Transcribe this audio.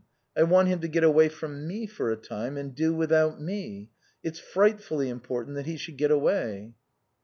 I want him to get away from me for a time and do without me. It's frightfully important that he should get away."